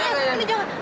nenek jangan jangan